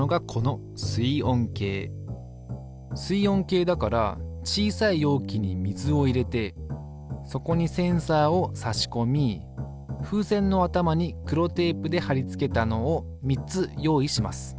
水温計だから小さい容器に水を入れてそこにセンサーをさしこみ風船の頭に黒テープではりつけたのを３つ用意します。